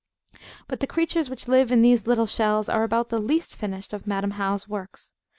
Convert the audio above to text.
But the creatures which live in these little shells are about the least finished of Madam How's works.